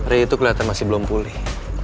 ray itu kelihatan masih belum pulih